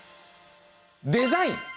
デザイン！